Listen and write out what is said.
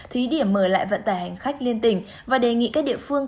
thí điểm mở lại vận tải hành khách liên tỉnh và đề nghị các địa phương